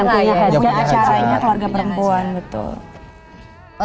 punya acaranya keluarga perempuan